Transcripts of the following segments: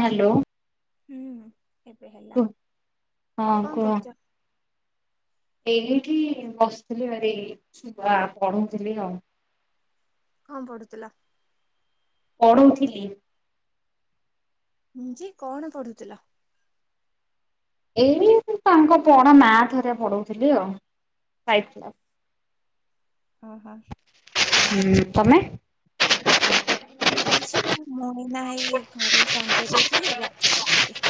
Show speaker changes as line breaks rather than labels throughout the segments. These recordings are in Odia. ହାଲୋ।
ହୁଁ ହୁଁ ଏବେ ହେଲା।
ହଁ
କଣ
କୁହ।
କରୁଛ?
ଏଇଠି ବସିଥିଲି ଭାରି ଛୁଆ ପଢ଼ଉ ଥିଲି ଆଉ।
କଣ ପଢୁଥିଲ?
ପଢଉଥିଲି।
ହୁଁ ଯେ କଣ ପଢୁଥିଲ?
ଏଇ ତାଙ୍କ ପଣ ମ୍ୟାଥ୍ ହେରିଆ ପଢ଼ଉଥିଲି ଆଉ ଫାଇପ୍ କ୍ଲାସ୍।
ଅହ।
ହୁଁ। ତମେ?
ନିସିନା ମୁ ଏଇନା ଏଇ ଘରେ ସଞ୍ଜ ଦୋଉଥିଲି ଏବେ ଆସିଲି ଉଠିକି।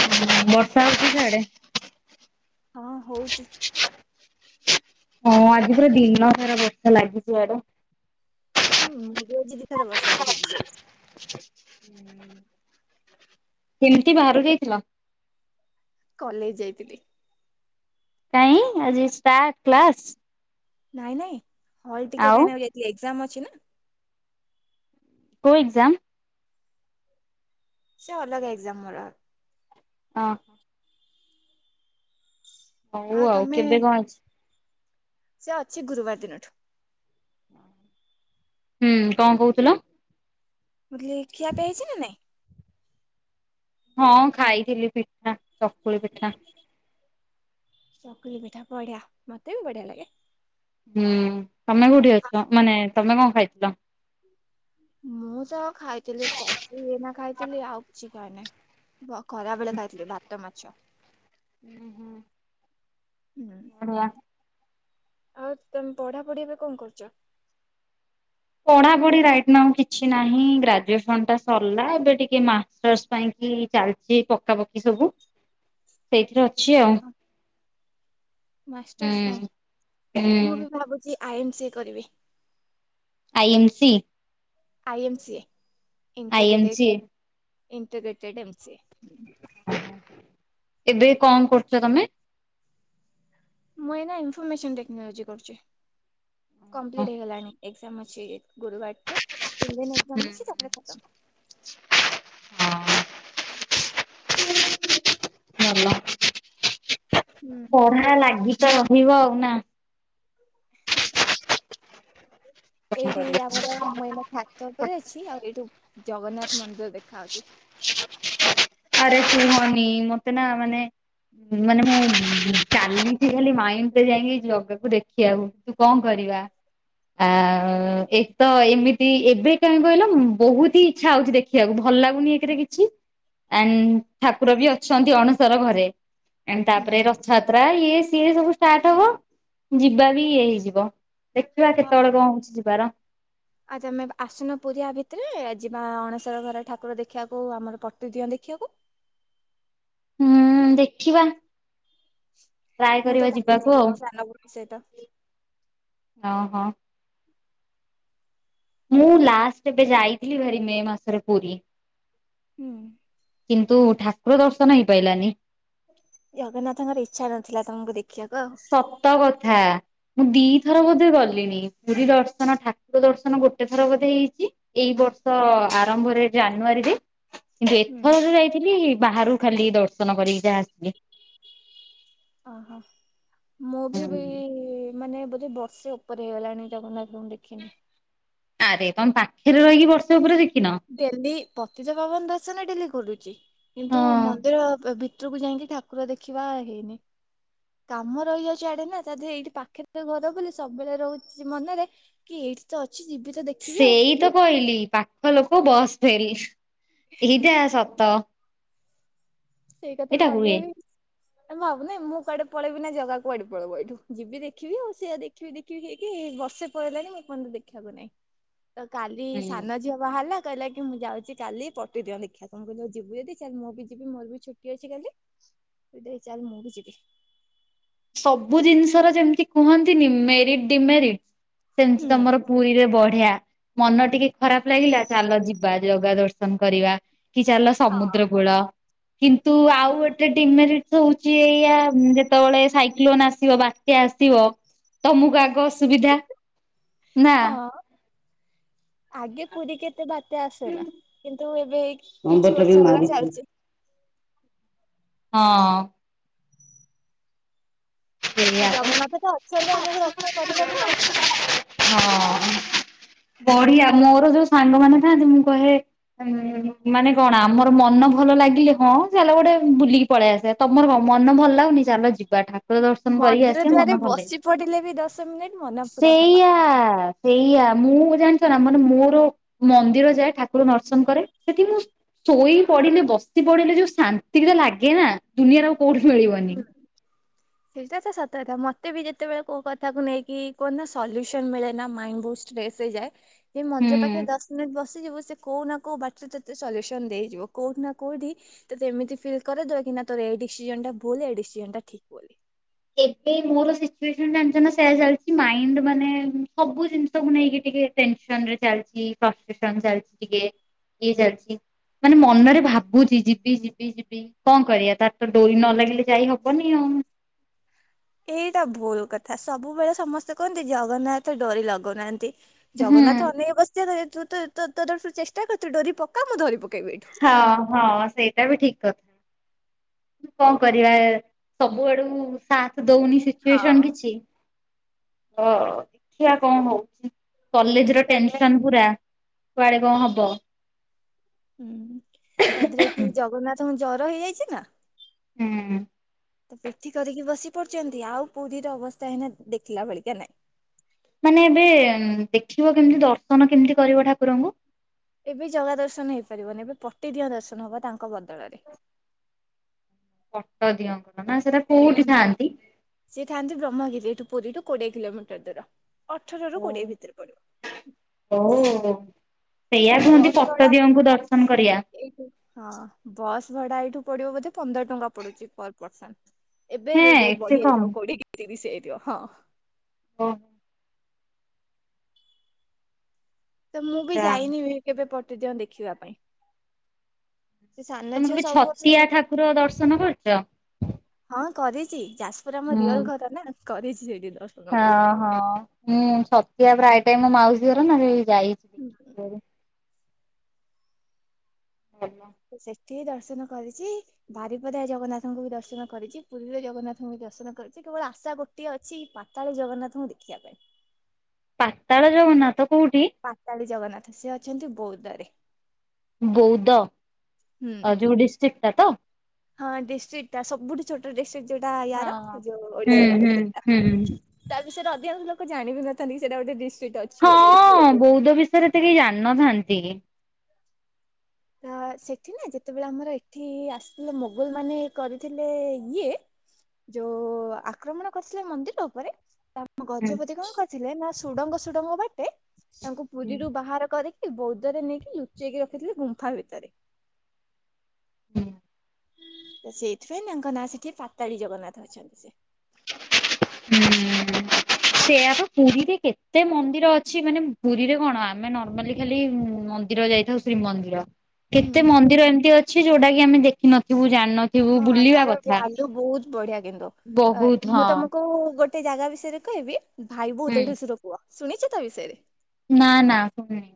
ହମ୍ ବର୍ଷା ହୋଉଛି ସିଆଡେ?
ହଁ ହୋଉଛି।
ହଁ ଆଜି ପୁରା ଦିନ ସାରା ବର୍ଷା ଲାଗିଛି ଇଆଡ଼େ।
ହୁଁ ମୁଁ ବି ଆଜି ଦି ଥର ବର୍ଷାରେ ଭିଜି ଯାଇଛି।
କେମତି ବାହାରକୁ ଯାଇଥିଲ?
କଲେଜ ଯାଇଥିଲି।
କାଇଁ ଆଜି ଷ୍ଟାର୍ କ୍ଲାସ।
ନାଇଁ ନାଇଁ ହଲ୍ ଟିକେ
ଆଉ
କାଇଁନା ଏଗ୍ଜାମ୍ ଅଛି ନା।
କେଉ ଏକ୍ଜାମ୍।
ସେ ଅଲଗା ଏକ୍ଜାମ ମୋର।
ହଁ। ହଉ ଆଉ କେବେ କଣ ଅଛି।
ସେ ଅଛି ଗୁରୁବାର ଦିନଠୁ।
ହୁଁ କଣ କହୁଥିଲ।
କହୁଥିଲିି ଖିଆପିଆ ହେଇଛି ନା ନାଇଁ।
ହଁ ଖାଇଥିଲି ପିଠା ଚକୁଳି ପିଠା।
ଚକୁଳି ପିଠା ବଢିଆ ମତେ ବି ବଢିଆ ଲାଗେ।
ହୁଁ ତମେ କୋଉଠି ଅଛ ମାନେ ତମେ କଣ ଖାଇଥିଲ।
ମୁଁ ତ ଖାଇଥିଲି କଫି ଏଇନା ଖାଇଥିଲି ଆଉ କିଛି ଖାଇନି। ଖରାବେଳେ ଖାଇଥିଲି ଭାତ ମାଛ।
ହୁଁ ହୁଁ
ହୁଁ।
ବଢିଆ।
ଆଉ ତମେ ପଢା ପଢି ଏବେ କଣ କରୁଛ।
ପଢା ପଢି ରାଇଟ ନାଓ କିଛି ନାହିଁ ଗ୍ରାଜୁଏସନ ଟା ସରିଲା ଏବେ ଟିକେ ମା [unintelligible] ପାଇଁ କି ଚାଲିଛି ପକାପକି ସବୁ ସେଇଥିରେ ଅଛି ଆଉ।
ମାଷ୍ଟର୍ ପାଇଁ
ହୁଁ।
ମୁଁ
ହୁଁ
ବି ଭାବୁଛି ଆଇ ଏମ୍ ସି କରିବି।
I M C.
I MC
I M C
integrated integrated MC ଏ।
ଏବେ କଣ କରୁଛ ତମେ।
ମୁଁ ଏଇନା ଇନଫର୍ମେସନ ଟେକ୍ନୋଲୋଜି କରୁଛି
ହଁ
କମ୍ପ୍ଲିଟ୍ ହେଇଗଲାଣି। ଏକ୍ଜାମ ଅଛି ଗୁରୁବାର ଠୁ ତିନ ଦିିନ ଏକ୍ଜାମ ଅଛି ତାପରେ ଖତମ୍।
[inaudible]
ହୁଁ।
ପଢା ଲାଗିଚ ରହିବ ନା। କଣ
ଏଇଠି
କରିବା।
ଆମର ମୁ ଏଇନା ତାପରେ ଅଛି ଆଉ ଏଇଠୁ ଜଗନ୍ନାଥ ମନ୍ଦିର ଦେଖାଯାଉଛି।
ଆରେ କୁହନି ମତେ ନା ମାନେ। ମାନେ ମୁଁ ଚାଲିଛି ଖାଲି ମାଇଣ୍ଡରେ ଯାଇକି ଜଗାକୁ ଦେଖିବାକୁ। ତ କଣ କରିବା। ଆ ଏକ ତ ଏମିତି ଏବେ କାହିଁ କହିଲ ବହୁତ ହି ଇଚ୍ଛା ହଉଛି ଦେଖ ଦେଖିବାକୁ ଭଲ ଲାଗୁନି ଏକରେ କିଛି। ଆ ଠାକୁର ବି ଅଛନ୍ତି ଅଣସର ଘରେ
ହୁଁ।
ତାପରେ ରଥଯାତ୍ରା ଯାତ୍ରା ଇଏ ସିଏ ସବୁ ଷ୍ଟାର୍ଟ ହବ ଯିବା ବି ଇଏ ହେଇଯିବ। ଦେଖିବା କେତେବେଳେ କଣ ହଉଛି ଯିବାର।
ଆଜି ତମେ ଆସୁନ ପୁରୀ ଆ ଭିତରେ ଯିବା ଅଣଶର ଘର ଠାକୁର ଦେଖିବାକୁ ଆମର ପ୍ରତିଦିଅଁ ଦେଖିବାକୁ।
ହୁଁ ଦେଖିବା। ଟ୍ରାଏ
ମୁଁ ତ
କରିବା
କାଲି
ଯିବାକୁ
ଯିବି ମୋ ସାନ ଭଉଣୀ ସହିତ
ହଁ ହଁ। ମୁଁ ଲାଷ୍ଟ ଏବେ ଯାଇଥିଲି ଭାରି ମେ ମାସରେ ପୁରୀ।
ହୁଁ।
କିନ୍ତୁ ଠାକୁର ଦର୍ଶନ ହେଇପାଇଲାନି।
ଜଗନ୍ନାଥଙ୍କ ଇଚ୍ଛା ନ ଥିଲା ତମକୁ ଦେଖି
ସତ କଥା। ମୁଁ ଦି ଥର ବୋଧେ ଗଲିଣି ପୁରୀ ଦର୍ଶନ ଠାକୁର ଦର୍ଶନ ଗୋଟେ ଥର ବୋଧେ ହେଇଚି ଏଇ ବର୍ଷ ଆରମ୍ଭରେ ଜାନୁଆରୀରେ କିନ୍ତୁ
ହୁଁ।
ଏଥର ଯଉ ଯାଇଥିଲି ବାହାରୁ ଖାଲି ଦର୍ଶନ କରିକି ଯାହା ଆସିଲି।
ଓହୋ ମୁଁ ବି ଭେ ଏଇ ମାନେ ବୋଧେ ବର୍ଷେ ଉପରେ ହେଇଗଲାଣି ଜଗନ୍ନାଥଙ୍କୁ ଦେଖିନି।
ଆରେ ତମେ ପାଖରେ ରହିକି ବର୍ଷା ଉପରେ ଦେଖିନ।
[unintelligible] ଡେଲି ପତିତ ପାବନ ଦର୍ଶନ ଡେଲି କରୁଚି କିନ୍ତୁ ମନ୍ଦିର ଭ- ଭ-ଭି ଭିତରୁକୁ ଯାଇକି ଠାକୁର ଦେଖିବା ହେଇନି। କାମ ରହିଯାଉଚି ଆଡେ ନା ତା ଦେହରେ ଏଇଠି ପାଖରେ ତ ଘର ବୋଲି ସବୁବେଳେ ରହୁଚି ମନରେ କି ଏଇଠି ତ ଅଛି ଯିବି। ତ ଦେଖିବି ଆଉ।
ସେଇ ତ କହିଲି ପାଖ ଲୋକ ବସ୍ ଫେଲ୍ ଏଇଟା ସତ।
ସେଇ କଥା
ଏଇଟା
ଭାବି
ହୁଏ।
ଭାବି ଏ ଭାବୁନି ମୁଁ କାଡେ ପଳେଇବି ନା ଜାଗା କୁଆଡେ ପଳେବ ଏଇଠୁ ଯିବି ଦେଖିବି ଆଉ ସେଆ ଦେଖି ଦେଖିବି ଦେଖିବି ହେଇକି ବର୍ଷେ ପଳେଇଲାଣି ମୁଁ ଏପର୍ଯ୍ଯନ୍ତ ଦେଖିବାକୁ ନାଇଁ। ତ କାଲି ସାନ ଝିଅ ବାହାରିଲା କହିଲା କି ମୁଁ ଯାଉଚି କାଲି ପଟି ଦିଅଁ ଦେଖିବାକୁ ମୁଁ କହିଲି ହଉ ଯିବୁ ଯଦି ଚାଲ୍ ମୁଁ ବି ଯିବି ମୋର ବି ଛୁଟି ଅଛି କାଲି ତୁ ଦେଇ ଚାଲ ମୁଁ ବି ଯିବି।
ସବୁ ଜିନିଷର ଯେମିତି କୁହନ୍ତିନି ମେରିଟ୍ ଡିମେରିଟ୍ ସେମିତି
ହୁଁ।
ତମର ପୁରୀରେ ବଢିଆ ମନ ଟିକେ ଖରାପ ଲାଗିଲା ଚାଲ ଯିବା ଜଗା ଦର୍ଶନ କରିବା। କି ଚାଲ
ହଁ
ସମୁଦ୍ର କୂଳ। କିନ୍ତୁ ଆଉ ଗୋଟେ ଡିମେରିଟ୍ ତ ହଉଚି ଏଇଆ ଯେତେବେଳେ ସାଇକ୍ଲୋନ ଆସିବ ବାତ୍ୟା ଆସିବ ତମକୁ ଆଗ ଅସୁବିଧା ନା?
ହଁ ଆଗେ ପୁରୀକି ଏତେ ବାତ୍ୟା ଆସେ ନା କିନ୍ତୁ ଏବେ କିଛି
ନମ୍ବରଟା ବି
ବର୍ଷ ହେଲା
ମାରିଛି।
ଚାଲିଚି।
ହଁ।
ହଁ
ସେଇଆ
ଜଗନ୍ନାଥ ତ ଅଛନ୍ତି ଆମକୁ ରକ୍ଷା କରିବାକୁ ଆଉ।
[inaudible] ହଁ ବଢିଆ ମୋର ଯୋଉ ସାଙ୍ଗମାନେ ଥାନ୍ତି ମୁଁ କହେ ହଁ ମାନେ କଣ ଆମର ମନ ଭଲ ଲାଗିଲେ କଁ ଚାଲ ଗୋଟେ ବୁଲିକି ପଳେଇ ଆସିବା ତମର କଁ ମନ ଭଲ ଲାଗୁନି ଚାଲ ଯିବା ଠାକୁର ଦର୍ଶନ୍ କରିକି ଆସିବା ମନ ଭଲ ଲାଗିବ।
ପଡ଼ିିଲେ ବି ଦଶ [unintelligible] [unintelligible] ଭଲ।
ସେଇୟା। ସେଇଆ ମୁଁ ଜାଣିଚ ନା ମାନେ ମୋର ମନ୍ଦିର ଯାଏ ଠାକୁର ନର୍ଶନ କରେ ସେଠି ମୁଁ ଶୋଇ ପଡିଲେ ବସି ପଡିଲେ ଯୋଉ ଶାନ୍ତି ଟା ଲାଗେ ନା ଦୁନିଆର କୋଉଠି ମିଳିବ।
ହୁଁ। ସେଇଟାତ ସତ କଥା ମତେ ବି ଯେତେବେଳେ କୋଉ କଥାକୁ ନେଇକି କଣ ନା ସଲ୍ୟୁସନ୍ ମିଳେ ନା ମାଇଣ୍ଡ ବହୁତ ଫ୍ରେସ୍ ହେଇଯାଏ ଏଇ ମନ୍ଦିର
ହୁଁ।
ପାଖରେ ଦଶ ମିନିଟ୍ ବସ ବସିଯିବ ସେ କଉଁ ନା କଉଁ ବାଟରେ ତତେ ସଲ୍ୟୁସନ୍ ଦେଇଯିବ କଉଁଠି ନା କଉଁଠି ତତେ ଏମିତି ଫିଲ୍ କରେଇଦେବେ କି ନା ତୋର ଏଇ ଡିସିଜନ ଟା ଭୁଲ ଏଇ ଡିସିଜନ ଟା ଠିକ୍ ବୋଲି।
ଏଇ ମୋର ସିଚୁଏସନ ଜାଣିଚ ନା ସେଇୟା ଚାଲିଚି ମାଇଣ୍ଡ ମାନେ ସବୁ ଜିନିଷକୁ ନେଇକି ଟିକେ ଟେନସନ୍ ରେ ଚାଲିଚି ଫ୍ରଷ୍ଟେସନ ଚାଲିଚି ଟିକେ। ଇଏ ଚା ଲ୍ ଚି ମାନେ ମନରେ ଭାବୁଚି ଯିବି ଯିବି ଯିବି କଣ କରିବା ତାର ତ ଡୋରି ନ ଲାଗିଲେ ଯାଇ ହବନି ଆଉ।
ଏଇଟା ଭୁଲ୍ କଥା ସବୁବେଳେ ସମସ୍ତେ କୁହନ୍ତି ଜଗନ୍ନାଥ ଡୋରି ଲଗଉନାହାନ୍ତି
ହୁଁ
ଜଗନ୍ନାଥ ଅନେଇ [inaudible] ତୁ ତୁ ଚେଷ୍ଟା କରେ ଡୋରି ପକା ମୁଁ ଧରି ପକେଇବି। ଏଇଠୁ।
ହଁ ହଁ ସେଇଟା ବି ଠିକ୍ କଣ କରିବା ସବୁଆଡକୁ ସାଥ ଦଉନି। ସିଚୁଏସନ୍
ହଁ
କିଛି ହଁ ଦେଖିବା କଣ ହଉଚି କଲେଜେ
ତା ଦେହରେ
ଟେନ୍ସନ୍ ପୁରା କୁଆଡେ କଣ ହବ।
ହୁଁ ତା ଦେହରେ ଏଠି ଜଗନ୍ନାଥଙ୍କ ଜର ହେଇଯାଇଚି ନା।
ହୁଁ।
ତ ପିଠି କରିକି ବସି ପଡିଚନ୍ତି ଆଉ ପୁରୀର ଅବସ୍ଥା ହେନା ଦେଖିଲା ବେଳିକା ନାଇଁ।
ମାନେ ଏବେ ଦେଖିବ କେମିତି ଦର୍ଶନ କେମିତି କରିବ ଠାକୁରଙ୍କୁ?
ଏବେ ଜଗା ଦର୍ଶନ ହେଇପାରିବନି ଏବେ ପଟିଦିଅଁ ଦର୍ଶନ ହବ ତାଙ୍କ ବଦଳରେ।
ପଟ ଦିଅଙ୍କ ନା ସେଟା କୋଉଠି
ହୁଁ।
ଥାଆନ୍ତି?
ସିଏ ଥାନ୍ତି ବ୍ରହ୍ମଗିରି ଏଠୁ ପୁରୀରୁୁ କୋଡିଏ କିଲୋମିଟର ଦୂର ଅଠର ରୁ କୋଡିଏ ଭିତରେ ପଡିବ।
ଓ ସେଇଆ କୁହନ୍ତି
ବସ୍ ଭଡା
ପଟଦିଅଙ୍କୁ ଦର୍ଶନ କରିବା।
ଏଇଠୁ ହଁ ବସ୍ ଭଡା ଏଇଠୁ ପଡିବ ବୋଧେ ପନ୍ଦର ଟଙ୍କା ପଡୁଛି ପର୍ ପର୍ସନ୍। ଏବେ
ହେଁ
ଏ ରେଟ୍
ଏତେ କମ୍
ବଢିଯାଇଯିବ କୋଡିିଏ କି ତିରିଶ ହେଇଯା ଇଥିବ ହଁ।
ହଁ।
ତ ମୁଁ ବି ଯାଇନି କେବେ ପଟଦିଅଁଦେଖିବା ପାଇଁ। ସେ ସାନ
ତମେ
ଝିଅ
କେବେ
ସବୁ ବର୍ଷ
ଛତିଆ
ଯାଏ।
ଠାକୁର ଦର୍ଶନ କରୁଚ?
ହଁ କରିଚି ଯାଜପୁରେ ଆମ
ହୁଁ
ରିଅଲ ଘର ନା କରିଚି ସେଇଠି ଦର୍ଶ
ହଁ ହଁ ମୁଁ ଛତିଆ ପ୍ରାୟ ଟା ମୋ ମାଉସୀ ଘର ନା ସେ ଯାଇଚି
ହୁଁ।
[unintelligible]
ସେଠି ଦର୍ଶନ କରିଚି ବାରିପଦା ଜଗନ୍ନାଥଙ୍କୁ ବି ଦର୍ଶନ କରିଚି ପୁରୀରେ ଜଗନ୍ନାଥଙ୍କୁ ବି ଦର୍ଶନ କରିଚି କେବଳ ଆଶା ଗୋଟ୍ ଗୋଟିଏ ଅଛି ପାତାଳୀ ଜଗନ୍ନାଥଙ୍କୁ ଦେଖିବା ପାଇଁ।
ପାତାଳ ଜଗନ୍ନାଥ କୋଉଠି?
ପାତାଳୀ ଜଗନ୍ନାଥ ସେ ଅଛନ୍ତି ବୌଦରେ।
ବୌଦ
ହୁଁ
ଯଉଁ ଡିଷ୍ଟ୍ରିକ୍ଟଟା ତ?
ହଁ ଡିଷ୍ଟ୍ରିକ୍ଟା ସବୁଠୁ ଛୋଟ ଡିଷ୍ଟ୍ରିକ୍ଟ ଯୋଉଟା
ହଁ।
ୟାର ଯୋଉ
ହଁ।
ଓଡିଶାର
ହୁଁ
ସେଇଟା।
ହୁଁ ହୁଁ।
ତା ବିଷୟରେ ଅଧିକାଂଶ ଲୋକ ଜାଣିବିିନଥାନ୍ତି ସେଇଟା ଗୋଟେ ଡିଷ୍ଟିିକ ଅଛି ବୋଲି
ହଁ ବୌଧ ବିଷୟରେ ତ କେହି ଜାଣିନଥାନ୍ତି।
ତ ସେଠି ନା ଯେତେବେଳେ ଆମର ଏଠି ଆସିଥିଲେ ମୋଗଲ ମାନେ କରିଥିଲେ ଇଏ ଯୋଉ ଆକ୍ରମଣ କରିଥିଲେ ମନ୍ଦିର ଉପରେ ତା
ହୁଁ।
ଗଜପତି କଣ କରିଥିଲେ ନା ସୁଡ଼ଙ୍ଗ ସୁଡ଼ଙ୍ଗ ବାଟେ ତାଙ୍କୁ
ହୁଁ।
ପୁରୀରୁ ବାହାର କରି ବୌଦରେ ନେଇକି ଲୁଚେଇକି ରଖିଥିଲେ ଗୁମ୍ଫା ଭିତରେ।
ହୁଁ।
ତ ସେଇଥିପାଇଁ ତାଙ୍କ ନାଁ ସେଠି ପାତାଳୀ ଜଗନ୍ନାଥ ଅଛନ୍ତି ସେ।
[inaudible] ସେଆ ପା ପୁରୀରେ କେତେ ମନ୍ଦିର ଅଛି ମାନେ ପୁରୀରେ କଣ ଆମେ ନର୍ମାଲି ଖାଲିି ମନ୍ ମନ୍ଦିର ଯାଇଥାଉ ଶ୍ରୀମନ୍ଦିର କେତେ
ହୁଁ।
ମନ୍ଦିର ଏମିତି ଅଛି ଯୋଉଟା କି ଆମେ ଦେଖିନଥିବୁ ଜାଣିନ
ହଁ ତାର ଭ୍ୟାଲୁ ବହୁତ ବଢିଆ କିନ୍ତୁ ଆ
ବହୁତ
ମୁଁ
ହଁ
ତମକୁ ମୁଁ ଗୋଟେ ଜାଗା ବିଷୟରେ କହିବି ଭାଇ ବୋହୁ
ହୁଁ
ଦେଢୁଶୁର ପୁଅ ଶୁଣିଚ ତା ବିଷୟରେ?
ନା ନା ଶୁଣନି।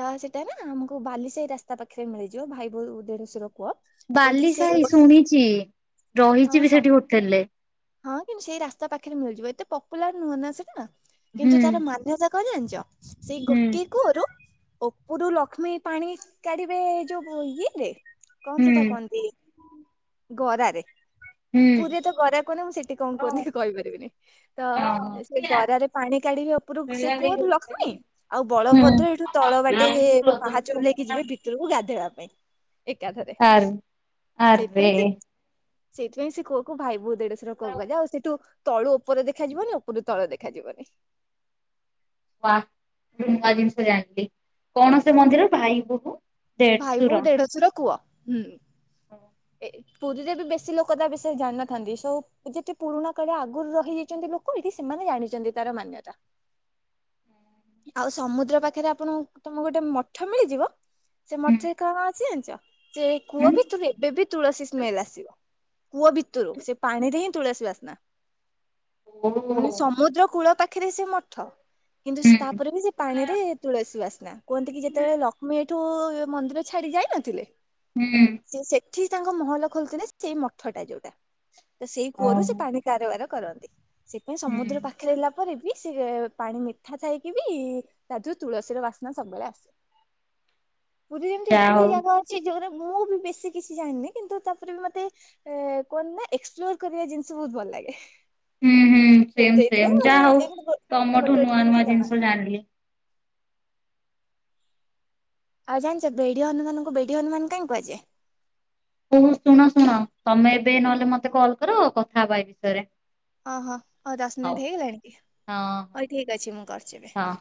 ତ ସେଇଟା ନା ଆମକୁ ବାଲିସାହି ରାସ୍ତା ପାଖରେ ମିଳିଯିବ ଭାଇ ବୋହୁ ଦେଢୁଶୁର
ବାଲି ସାହି ଶୁଣିଚି ରହିଚି
ହଁ
ବି ସେଠି ହୋଟେଲ୍ ରେ।
ହଁ କିନ୍ତୁ ସେଇ ରାସ୍ତା ପାଖରେ ମିଳିଯିବ ଏତେ ପପୁଲାର ନୁହଁ ନା ସେଟା
ହୁଁ
କିନ୍ତୁ ତାର ମାନ୍ୟତା କଣ ଜାଣିଛ ସେଇ
ହୁଁ
ଗୋଟେ କୁଅରୁ ଉପରୁ ଲକ୍ଷ୍ମୀ ପାଣି କାଢିବେ ଯୋଉ ଇଏରେ କଣ
ହୁଁ
ସେଇଟା କୁହନ୍ତି ଗରାରେ
ହୁଁ
ପୁରା ତ ଗରା କହନି ମୁଁ ସେଠି କଣ କହୁନି କହିପାରିବିନି ତ
ହଁ
ସେ ଗରାରେ ପାଣି କାଢିବେ ଉପରକୁ ସେ କୁହ ଲକ୍ଷ୍ମୀ ଆଉ
ହୁଁ
ବଳଭଦ୍ର ଏଇଠୁ ତଳ ବାଟେ ପାହାଚ ଚଲେଇକି ଯିବେ ଭିତରକୁ ଗାଧୋଇବା ପାଇଁ ଏକାଥରେ
ଆର୍ ଆରେ
ସେଇଥିପାଇଁ ସେ ସେଇଥିପାଇଁ ସେ କୂଅ କୁ ଭାଇ ବହୁ ଦେଢସୁର କୂଅ କୁହାଯାଏ ଆଉ ସେଇଠୁ ତଳୁ ଉପରେ ଦେଖାଯିବନି ଉପରେ ତଳେ ଦେଖାଯିବନି
ନୂଆ ଜିନିଷ ଜାଣିଲି କଣ ସେ ମନ୍ଦିର ଭାଇ ବୋହୂ [inaudible]
ଭାଇ
ଦେଢଶୁର।
ବହୁ ଦେଢଶୁର କୂଅ ହୁଁ ଏ ପୁରୀରେ ବି ବେଶୀ ଲୋକ ତା ବିଷୟରେ ଜାଣିିନଥାନ୍ତି ସୋ ଯେତେ ପୁରୁଣା କାଳିଆ ଆଗରୁ ରହିଯାଇଛନ୍ତି ଲୋକ ସେମାନେ ଜାଣିଛନ୍ତି ତାର ମାନ୍ୟତା ଆଉ ସମୁଦ୍ର ପାଖରେ ଆପଣଙ୍କୁ ତମକୁ ଗୋଟେ ମଠ ମିଳିଯିବ ସେ
ହୁଁ
ମଠରେ କଣ ଅଛି ଜାଣିଛ ସେ
ହୁଁ
କୂଅ ବି ତ ଏବେ ବି ତୁଳସୀ ସ୍ମେଲ ଆସିବ କୂଅ ଭିତରୁ ସେ ପାଣିରେ ହିଁ ତୁଳସୀ ବାସନା
ଓ
ମାନେ
ହୁଁ
ସମୁଦ୍ର କୂଳ ପାଖ ପାଖିରେ ସେ ମଠ କିନ୍ତୁ ସେ
ହୁଁ।
ତାପରେ ବି ସେ ପାଣି ରେ ତୁଳସୀ ବାସ୍ନା କୁହନ୍ତି କି ଯେତେବେଳେ ଲକ୍ଷ୍ମୀ ତୁ ମନ୍ଦିର ଛାଡି ଯାଇ ନଥିଲେ
ହୁଁ
ସେ ସେଠି ତାଙ୍କ ମହଲ ଖୋଲିଥିଲେ ସେଇ ମଠ ଟା ଯୋଉଟା ତ ସେଇ କୂଅରୁ ସେ
ଓହୋ
ପାଣି କାରବାର। କରନ୍ତି ସେଥି ପାଇଁ
ହୁଁ
ସମୁଦ୍ର ପାଖରେ ଫେରିଲା ପରେ ବି ସେ ପାଣି ମିଠା ଥାଇକି ବି ତା ଥୁରୁ ତୁଳସୀର ବାସ୍ନା ସବୁବେଳେ ଆସେ। ପୁରୀ ରେ
ଯାହା
ଏତେ
ହଉ
ଜାଗା ଅଛି ଯୋଉରେ ମୁଁ ବି ବେଶୀ କିଛି ଜାଣିନି କିନ୍ତୁ ତାପରେ ବି ମତେ କୁହନ୍ତି ନା ଏକ୍ସପ୍ଲୋର କରିବା ଜିନିଷ ବହୁତ ଭଲ ଲାଗେ।
ହୁଁ ହୁଁ
ସେ
ସେମ୍
ସେଇଥି
ସେମ୍
ପାଇଁ ଗୋଟେ
ଯାହା
ଗୋଟେ ଜିନିଷ ଜଣା
ଜାଣିନି
ଆଉ ଜାଣିଛେ ବେଢି ହୁମାନଙ୍କୁ ବେଡି ହନୁମାନ କାଇଁ କୁହାଯାଏ
ଶୁଣ ଶୁଣ ତମେ ଏବେ
ହୁଁ।
ନହେଲେ ମତେ କଲ୍ କର କଥା ହେବା ଏ ବିଷୟରେ
ହଁ ହଁ ହଉ ଦଶ ମିନିଟ୍ ହେଇଗଲାଣି କି
ହଁ ହଁ
ହଉ ଠିକ୍ ଅଛି ମୁଁ କରୁଛି ଏବେ।
ହଁ।